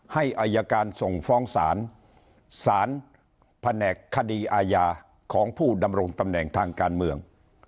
ให้อายการส่งฟ้องศาลศาลแผนกคดีอาญาของผู้ดำรงตำแหน่งทางการเมือง